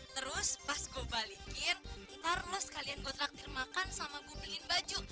terus pas gue balikin ntar lo sekalian gue traktir makan sama gue beliin baju